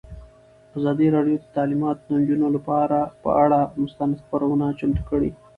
ازادي راډیو د تعلیمات د نجونو لپاره پر اړه مستند خپرونه چمتو کړې.